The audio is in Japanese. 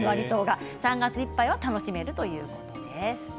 ３月いっぱいは楽しめるということです。